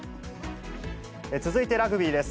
続いてラグビーです。